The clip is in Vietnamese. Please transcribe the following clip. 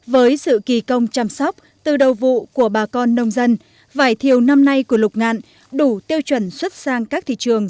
với sự kỳ công chăm sóc từ đầu vụ của bà con nông dân vải thiều năm nay của lục ngạn đủ tiêu chuẩn xuất sang các thị trường